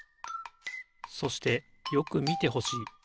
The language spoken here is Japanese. そしてよくみてほしい。